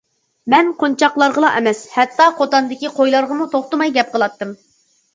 مەن قونچاقلارغىلا ئەمەس، ھەتتا قوتاندىكى قويلارغىمۇ توختىماي گەپ قىلاتتىم.